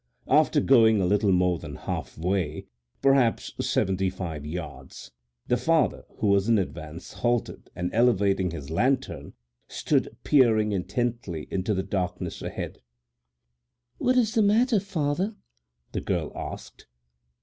After going a little more than half wayŌĆöperhaps seventy five yardsŌĆöthe father, who was in advance, halted, and elevating his lantern stood peering intently into the darkness ahead. ŌĆ£What is the matter, father? ŌĆØ the girl asked.